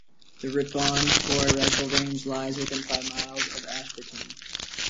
The Rippon Tor Rifle Range lies within five miles of Ashburton.